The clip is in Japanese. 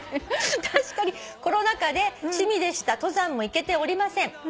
「確かにコロナ禍で趣味でした登山も行けておりません」